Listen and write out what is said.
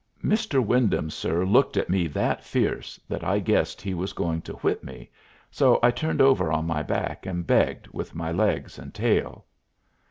"Mr. Wyndham, sir," looked at me that fierce that I guessed he was going to whip me, so I turned over on my back and begged with my legs and tail.